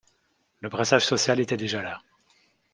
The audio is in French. Le brassage social était déjà là.